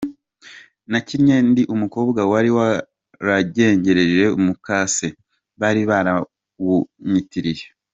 Nakinnye ndi umukobwa wari warazengereje mukase, bari barawunyitiriye.